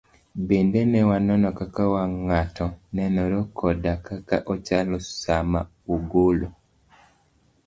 bende ne wanono kaka wang' ng'ato nenore koda kaka ochalo sama ogolo